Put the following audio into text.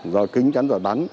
rồi kính chắn rồi bắn